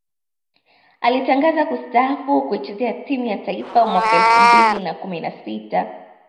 Alitangaza kustaafu kuichezea timu ya taifa mwaka elfu mbili na kumi na sita